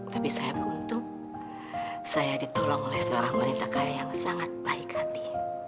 tapi saya beruntung saya ditolong oleh seorang wanita kaya yang sangat baik hati